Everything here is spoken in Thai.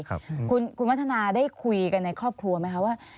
คุณวัฒนาได้คุยกันในครอบครัวไหมคะว่า